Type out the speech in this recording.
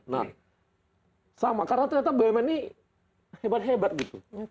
nah sama karena ternyata bumn ini hebat hebat gitu